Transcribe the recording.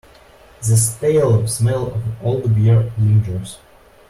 The stale smell of old beer lingers.